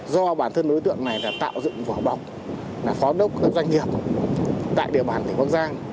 do bản thân đối tượng này là tạo dựng vỏ bọc là phó đốc doanh nghiệp tại địa bản của quốc gia